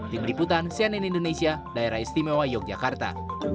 tim liputan cnn indonesia daerah istimewa yogyakarta